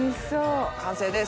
完成です。